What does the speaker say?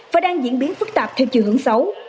và đang diễn biến phức tạp theo chiều hướng xấu